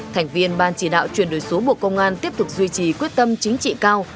thành viên ban chỉ đạo chuyển đổi số bộ công an tiếp tục duy trì quyết tâm chính trị cao